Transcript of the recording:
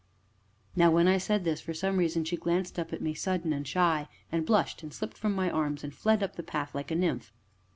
Now when I said this, for some reason she glanced up at me, sudden and shy, and blushed and slipped from my arms, and fled up the path like a nymph.